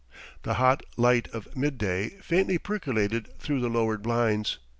The hot light of midday faintly percolated through the lowered blinds.